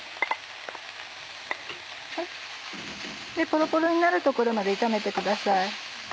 ポロポロになるところまで炒めてください。